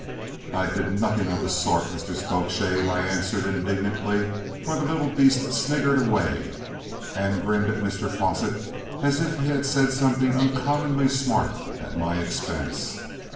"I did nothing of the sort, Mr Spokeshave," I answered indignantly, for the little beast sniggered away and grinned at Mr Fosset as if he had said something uncommonly smart at my expense.